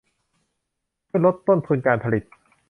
เพื่อลดต้นทุนการผลิต